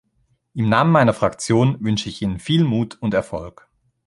Im Namen meiner Fraktion wünsche ich Ihnen viel Mut und Erfolg!